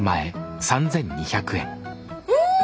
うん！